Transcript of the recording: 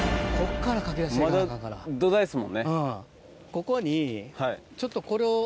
ここにちょっとこれを。